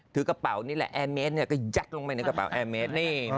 ถือกระเป๋านี่แหละแอร์เมสก็ยัดลงไปในกระเป๋าแอร์เมดนี่